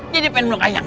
jadi pengen beluk ayang